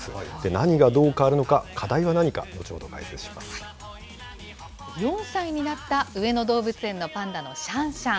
何がどう変わるのか、課題は何か、４歳になった上野動物園のパンダのシャンシャン。